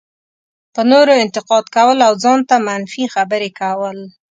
په نورو انتقاد کول او ځان ته منفي خبرې کول.